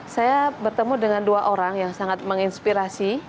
saya bertemu dengan dua orang yang sangat menginspirasi